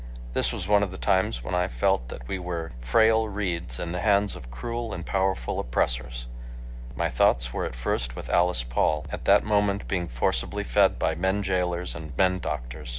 This was one of the times when I felt that we were frail reeds in the hands of cruel and powerful oppressors. My thoughts were at first with Alice Paul, at that moment being forcibly fed by men jailers and men doctors.